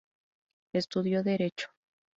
Estudió derecho.